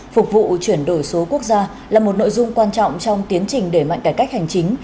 phục vụ chuyển đổi số quốc gia là một nội dung quan trọng trong tiến trình đẩy mạnh cải cách hành chính